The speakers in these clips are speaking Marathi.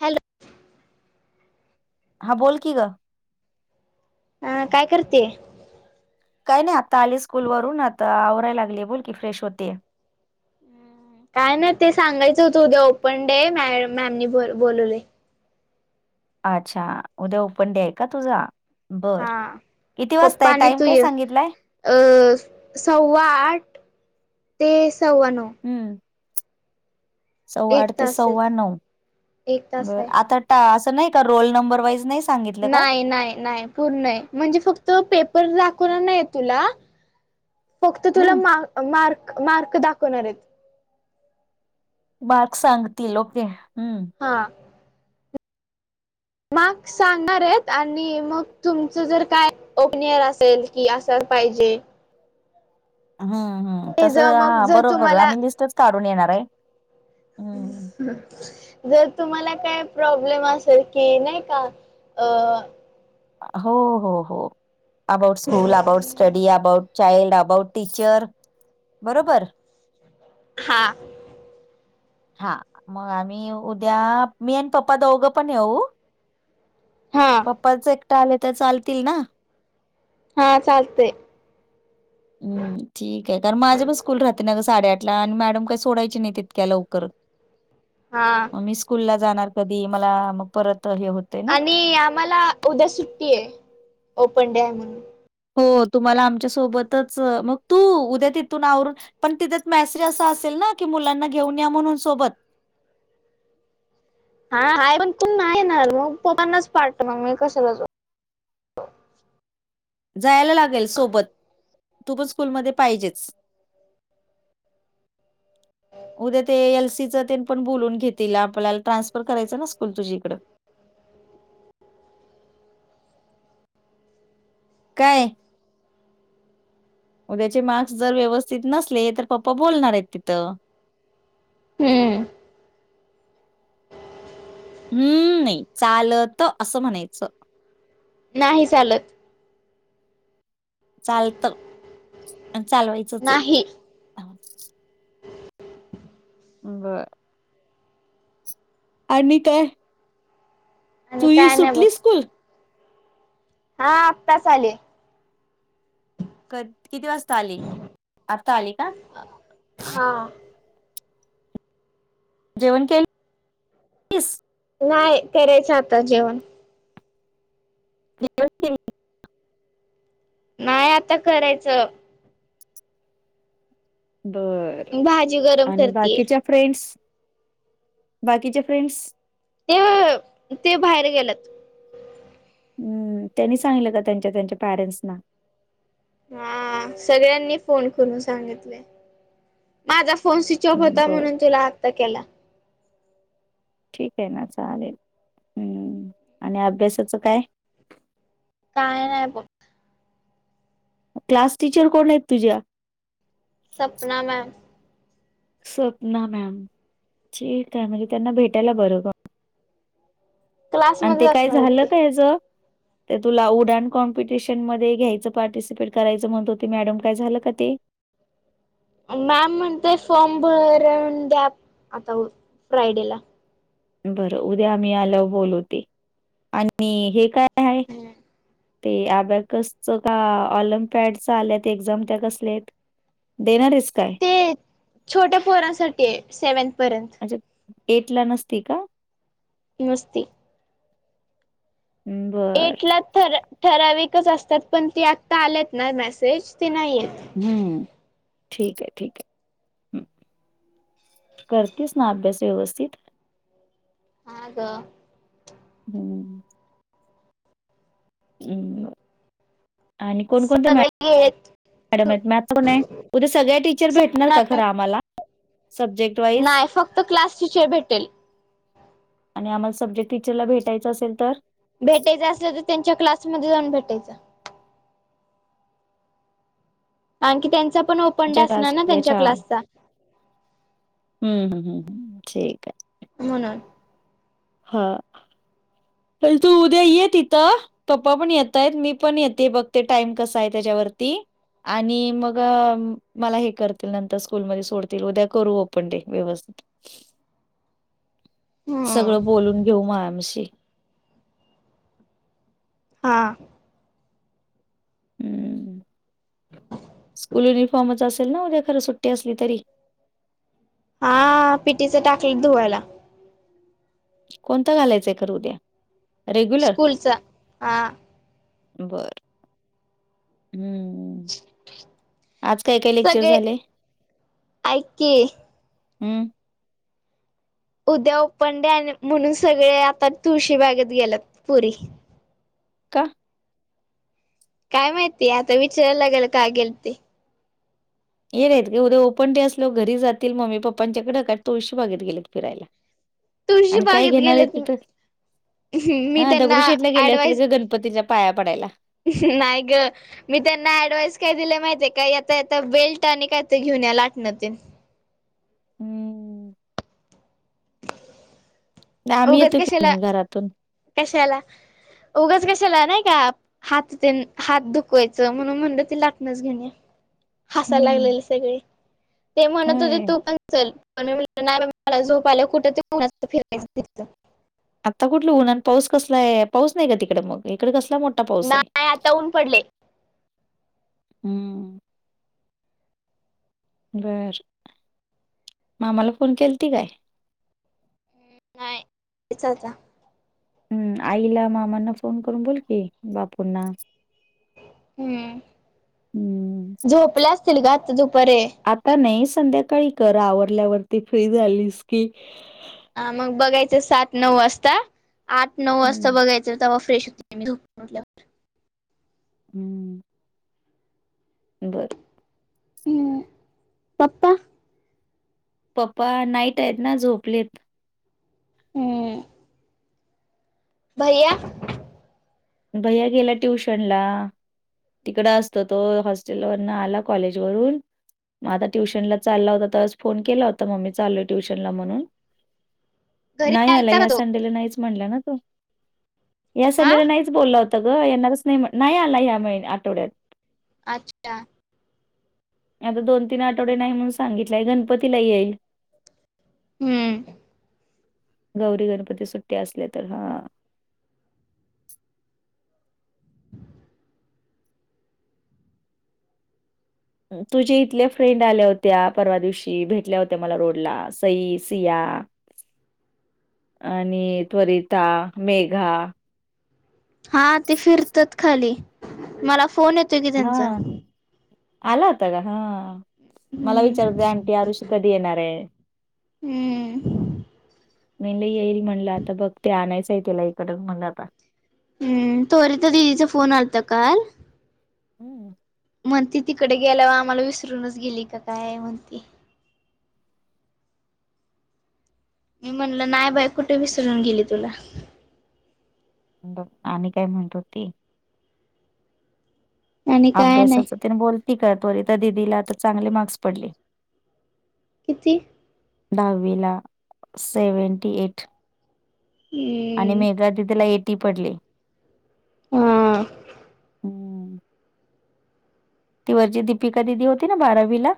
हॅलो. हा बोल की गं. अ काय करतीये? काही नाही आता आले स्कूल वरून. आता आवराय लागलेय. बोल की फ्रेश होतेय. काय नाही ते सांगायचं होतं, उद्या ओपन डे. मॅ मॅमनी ब बोलवलंय. अच्छा, उद्या ओपन डे आहे का तुझा? हा बर. किती पप्पा वाजताय. आणि टाईम तू काय ये सांगितलाय? सव्वा आठ ते सव्वा नऊ. हम्म. सव्वा एक आठ ते तास सव्वा आहेत नऊ. एक तास बरं आहे आता ट असं नाही का? रोल नंबर वाईज नाहीस? नाय नाय नाय पूर्णय. म्हणजे फक्त पेपर दाखवणार नाहीय तुला. फक्त तुला हम्म मार् मार्क मार्क दाखवणारेत. मार्क सांगतील. ओके. हम्म. ह. मर्क सांगणारेत, आणि मग तुमचं जर काय ओपनियर असेल कि असं पाहिजे. ह ह ते तसं ज हा मग जर बरोबर. तुम्हाला आम्ही लस्टच काढून येणारे. [unintelligible] जर तुम्हाला काय प्रॉब्लेम असेल की नाही का? अ हो हो हो. About school, about study, about child, about teacher बरोबर. हा. हा मग आम्ही उद्या, मी अन पप्पा दोघं पण येऊ? हा. पप्पाच एकटा आले त चालतील ना? हा चालतेय. हम्म ठीके. कारण माझ्या पण स्कूल राहते ना ग साडेआठ ला. आणि मॅडम काही सोडायची नाही इतक्या लवकर. हा. मग मी स्कूल ला जाणार कधी. मला मग परत हे होत. आणि आम्हाला उद्या सुट्टीये. ओपन डे आहे म्हणून. हो तुम्हाला आमच्या सोबतच. मग तू उद्या तिथून आवरून पण तिथे मेसेज असा असेल ना? की मुलांना घेऊन या म्हणून सोबत. हा आहे पण तू नाही येणार मग पप्पानाच पाठव. मग मी कशाला जाऊ? जायला लागेल सोबत. तू पण स्कूलमध्ये पाहिजेच. उद्या ते एलसीच ते आपण बोलून घेतील. आपल्याला ट्रान्सफर करायचं ना स्कूल तुझी इकडे. [unintelligible] काय? उद्याचे मार्क्स जर व्यवस्थित नसले. तर पप्पा बोलणारेत तिथं. हम्म. अम्म नाही चालत असं म्हणायचं. नाही चालत. चालत आणि चालवाय नाही. बर. आणि काय? आणि तुझी काय नाही बघ. सुटली स्कूल हा आत्तास आले. क किती वाजता आली. आत्ता आली का? हा जेवण केल तीस? नाही, करायचं आता जेवण. जीव [inaudible] नाही आता करायचं. बर, भाजी गरम आणि करतेय बाकीच्या. फ्रेंड्स. बाकीचे फ्रेंड्स. ते ते बाहेर गेलेत. हम्म त्यांनी सांगलीत त्यांच्या त्यांच्या पॅरेंट्सना. हा सगळ्यांनी फोन करून सांगितले. माझा फोन स्विच ऑप होता. बर म्हणून तुला आत्ता केला. ठीके ना चालेल. हम्म आणि अभ्यासाचं काय? काय नाही बघ. क्लास टीचर कोणेत तुझ्या? सपना मॅम. सपना मॅम. ठीके म्हणजे त्यांना भेटायला बर बा. आणि क्लासमध्येच ते काय असणार होत झालं ते. का याच? ते तुला उडण कॉम्पिटिशन मध्ये घ्यायचं, पार्टिसिपेट करायचं म्हणत हो ते मॅडम. काय झालं का ते? मॅम म्हणतेय फॉर्म भरून द्या आता फ्रायडेला. बरं उद्या आम्ही आल्याव बोलूते. आणि हे काय हाये? ते आब्याकसच का ऑलिमपॅड च आल्यात एक्झाम त्या कसल्यायेत? देणारेस काय? ते छोट्या पोरांसाठीये. सेवेंथ पर्यंत. अच्छा एट ला नसती का? नसती. बर एट ला ठराविकच असतात. पण ती आत्ता आलेत ना मेसेज ते नाहीयेत. हम्म ठीके, ठीके. करतीस ना अभ्यास व्यवस्थित? हा ग. हम्म. हम्म म. [unintelligible] आहेत मॅडम आहेत [unintelligible] त्या कोणे उद्या सगळ्या टीचर भेटणार का खरं आम्हाला? Subject wise. नाही फक्त क्लास टीचर भेटेल. आणि आम्हाला सब्जेक्ट टीचरला भेटायचं असेल तर? भेटायचं असल तर त्यांच्या क्लासमध्ये जाऊन भेटायचं. आणखी त्यांचा पण ओपन डे तुमच्या असणार ना त्यांच्या क्लासच्या क्लासचा. हम हम ठीक आहे. म्हणून. हा, आणि तू उद्या ये तिथं. पप्पा पण येतायत मी पण येते बघते टाइम कसा आहे त्याच्यावरती. आणि मग. मला हे करतील नंतर स्कूलमध्ये सोडतील उद्या करू ओपण डे व्यवस्थित. [inaudible] हम्म सगळं बोलून घेऊ मॅमशी. हा, हम्म. [inaudible] स्कूल युनिफॉर्मच असेल ना उद्या खरं सुट्टी असली तरी. हा पिटीच टाकल धुवायला. कोणता घालायचंय खर उद्या रेग्युलर. स्कूलचा हा बर हम्म. आज काय काय लेक्चर सगळे झाले? ऐक की हम्म. उद्या ओपन डे म्हणून सगळे आता तुळशीबागेत गेलेत पोरी. का? काय माहिती आता विचारायला लागेल का गेलते. ते नाही ग उद्या ओपन डे असल्यवर घरी जातील मम्मी पप्पांच्याकडे काय तुळशी बघित गेलेत फिरायला. तुळशी आणि काय बागेत घेणार आहेत गेलेत तिथं. मी हा त्यांना दगडूशेठ ला गेले असतील ऍडवाइस ग गणपतीच्या पाया पडायला. नाही ग. मी त्यांना ऍडवाइस काय दिले माहितीे काय येता येता बेल्ट आणि काय ते घेऊन या लाटण तेन. हम्म. उगच कशाला. त्यातून. कशाला उगच कशाला नाही का. हात तेन हात दुखवायचं म्हणून म्हणलं ती लाटणच घेउन या. हासायला हम्म लागलेले सगळे. ते म्हणत होते होय. तू पण चल पण मी नाही मला झोप आल्या कुठ ते फिरायचं. आता कुठलं उनात आणि पाऊस कसला आहे पाऊस नाही काय तिकड मग इकडे कसला मोठ. मोठा पाऊस हाय नाही आता ऊन पडले हम्म. बरं मामाला फोन केला ती काय? नाही हिचा. हम्म आईला मामांना फोन करून बोल की बापूंना. हम्म झोपल्या असतील ग आता दुपारे. आता नाही संध्याकाळी कर आवरल्यावरती फ्री झालीस की. हा मग बघायचं सात नऊ वाजता आठ नऊ वाजता हम्म. बघायचं. तवा फ्रेश होते झोपून उठल्यावर. हम्म. बरं. हम पप्पा. पप्पा नाईट आहेत ना, झोपलेत. हं. भैय्या? भैया गेला ट्युशन ला. तिकड असतं तो, हॉस्टेल वरन आला कॉलेज वरून- मग आता ट्युशनला चालला होता, तरच फोन केला होता मम्मी चालोय ट्यूशनला म्हणून. घरी नाही आला, आलता का या तो संडेला नाहीच म्हणला ना तो. या हा संडेला नाहीच- होत ग, येणारच नाही, नाही आला या आठवड्यात. अच्छा. आता दोन, तीन आठवडे नाही म्हणून सांगितलाय, गणपतीला येईल. हम्म. गौरी गणपती सुट्टी असल्या तर हा. [inaudible] तुझे इथल्या फ्रेंड आल्या होत्या परवा दिवशी, भेटल्या होत्या मला रोडला सई, सिया. [inaudible] आणि सरिता, मेघा. हा, ते फिरतात खाली, मला फोन येतो- हा, आला होता का? हा. मला हम्म विचारतं होती, आंटी, आरुष कधी येणार आहे? हम्म. मी येईल म्हटलं येईल, आता बघ ते आणायचंय तीला इकडं मग आता. हम्, त्वरवर तर दिदीचा फोन आलता काल. [unintelligible] हम्, [inaudible] म्हणती, तिकडे गेला वर आम्हाला विसरूनच गेली का काय म्हणती? मी म्हणलं, नाही बाई कुठं विसरून गेली तुला. [unintelligible] आणि काय म्हणत हुती? आणि काय नाही अभ्यासाच तेन बोलती का, त्वरिता दिदीला आता चांगले मार्क्स पडलेत. किती? दहावीला, सेवंटी एट. हम्म, [unintelligible] आणि मेगा दिदिला तिला एटी पडले. हम्म. हं. ती वरची दीपिका दिदी होती ना बारावी ला-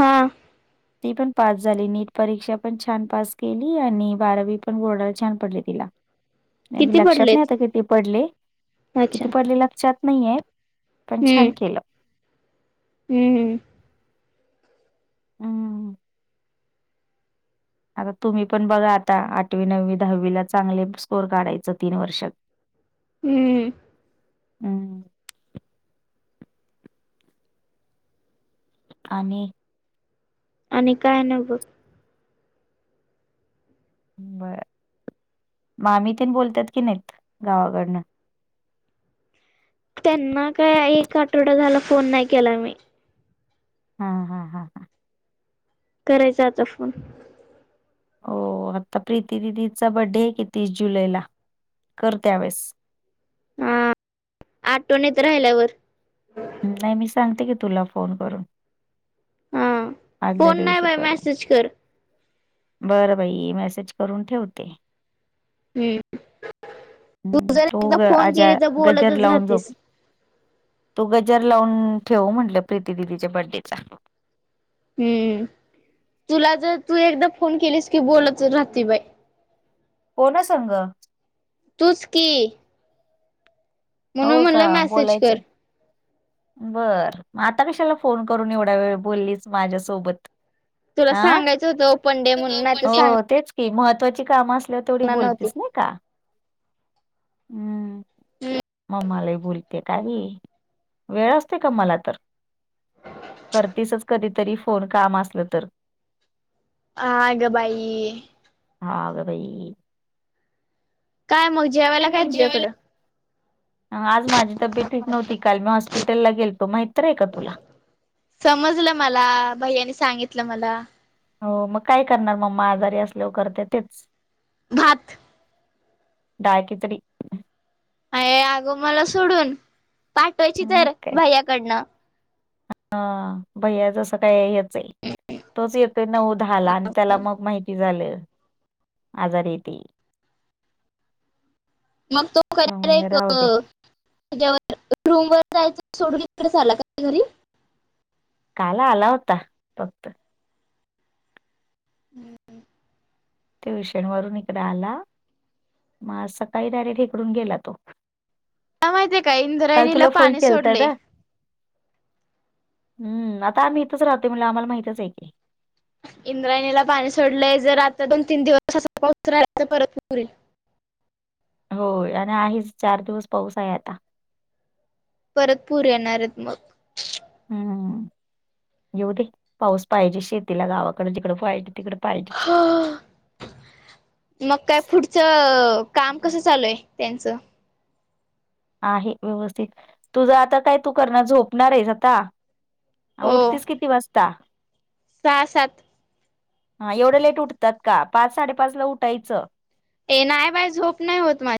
हा. ती पण पास झाली, नीट परीक्षा पण छान पास केली, आणि बारावी पण बोर्डाला छान पडले तिला. ह [inaudible] लक्षात नाही आता किती पडले, अच्छा किती पडले लक्षात नाहीये. पण छान केलं. हम. हम्म. आता तुम्ही पण बघा आता, आठवी, नववी, दहावीला चांगले स्कोर काढायचं तीन वर्षात. हं. हम्म [inaudible] आणि? आणि काय नाय बघ. बर, मामी तेन बोलतात कि नाहीत गावाकडनं? त्यांना काय एक आठवडा झाला, फोन नाही केला मी. ह्म ह्म ह्म ह. करायचा आता फोन. हो आता प्रीती दिदीचा बड्डे ये कि तीस जुलैला, कर त्यावेेळेस. हां आठवनीत राहिल्यावर. नाही मी सांगते की तुला फोन करून. हां, आदल्या फोन नाही दिवशी बाय कर. मेसेज कर. बरं बाई मेसेज करून ठेवते. हम्म ह्म जर तू एकदा ग फोन आजा केली तर गजर बोलतच लावून झोप. राहतीस तू गजर लावून ठेवू, म्हंटलं प्रीती दिदीच्या बड्डेचा. हम्म तुला जर, तू एकदा फोन केलीस की बोलत राहते बाई. कोना संग? तुचकी. म्हणून हो म्हणल का मेसेज बोलायचं कर. बर, म आता कशाला फोन करून एवढ्या वेळ बोलिस माझ्यासोबत? तुला अं? सांगायचं होतं ओपन डे म्हणून नाही तर हो सांगणार तेच. कि महत्त्वाची कामं असल्यावर तेवढी नव्हती बोलतीस नाही का? हम्. हम्. मालाही बोलते काय बाई? वेळ असतोय का मला तर? करतीसच कधीतरी फोन, काम असलं तर. आ ग बाई. आग बाई. काय मग, जेवायला काय तुझ्याकडं? म आज माझी तब्ययेत ठीक नव्हती, काल मी हॉस्पिटलला गेलतो माहिततर हाय का तुला? समजलं मला, भैय्यानी सांगितलं मला. हो मग काय करणार? मम्मा आजारी असल्यावर करते तेच. भात. डाळ-खिचडी. अय अग मला सोडून, पाठवायची मग तर भैय्याकडन. हां, भैया जसं काय येत चय, तोच येतोय नऊ-दहा ला आनं त्याला मग माहिती झालं. आजारी ती. मग तो खर म्हणले एक अ राहू दे [unintelligible] त्याच्यावर रूम वर जायचं सोडून, इकडे झाला का घरी? काल आला होता फक्त. हम्म. ट्युशन वरून इकड आला, मग आज सकाळी डायरेक्ट इकडून गेला तो. का माहितीय का काल इंद्रायणीला तुला फोन पाणी केलता सोडले ना,? हम्, आता आम्ही इथच राहतोय म्हणले आमला माहितचकि. इंद्रायणीला पाणी सोडलंय, जर आाता दोन-तीन दिवस असाचे पाऊस राहिला तर परत पुर एईल. होय आणि आहेच चार दिवस पाऊस आहे आता. परत पूर येणारेत मग. हम्म म, येऊ दे, पाऊस पाहिजे शेतीला, गावाकड जिकड पाहिजे, तिकड पाहिजे. हां. मग काय पुढचं काम कसं चालूय त्यांचं? आहे व्यवस्थित तुझं आता काय तू करणार झोपणार आहेस आता? अ हो उटतीस किती वाजता? सहा सात. हा एवढं लेट उठतात का पाच साडेपाच ला उठायचं. ए नाही बाई झोप नाही होत मा